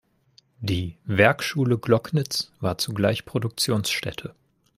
Die „Werkschule Gloggnitz“ war zugleich Produktionsstätte.